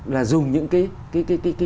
là dùng những cái